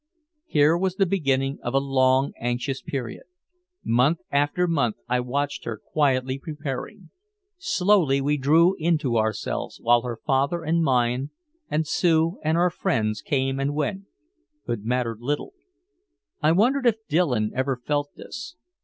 Here was the beginning of a long anxious period. Month after month I watched her quietly preparing. Slowly we drew into ourselves, while her father and mine and Sue and our friends came and went, but mattered little. I wondered if Dillon ever felt this.